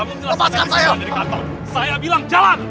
kamu jelasin di kantor saya bilang jalan